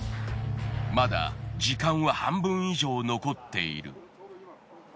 まだ時間は半分以上残っている。